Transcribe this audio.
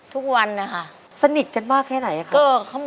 ทุกวันค่ะสนิทกันมากแค่ไหนค่ะ